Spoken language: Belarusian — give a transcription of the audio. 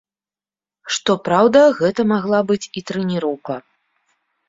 Што праўда, гэта магла быць і трэніроўка.